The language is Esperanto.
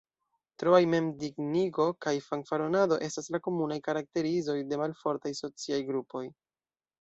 Troaj mem-dignigo kaj fanfaronado estas la komunaj karakterizoj de malfortaj sociaj grupoj.